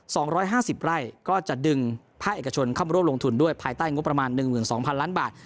สองร้อยห้าสิบไร่ก็จะดึงภาคเอกชนเข้ามาร่วมลงทุนด้วยภายใต้งบประมาณหนึ่งหมื่นสองพันล้านบาท